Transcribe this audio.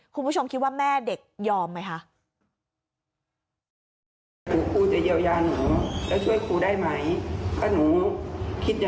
คุณผู้ชมคิดว่าแม่เด็กยอมไหมคะ